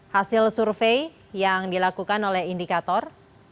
hasil survei yang dilakukan oleh indikator